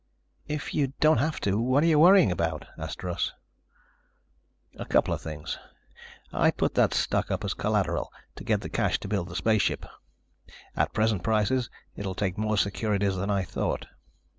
"If you don't have to, what are you worrying about?" asked Russ. "Couple of things. I put that stock up as collateral to get the cash to build the spaceship. At present prices, it will take more securities than I thought.